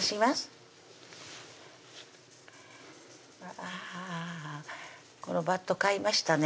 あこのバット買いましたね